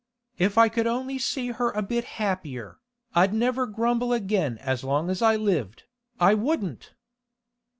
If I could only see her a bit happier, I'd never grumble again as long as I lived, I wouldn't!